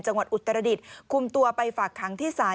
จังหวัดอุตระรดิษฐ์คุมตัวไปฝากค้างที่ศาล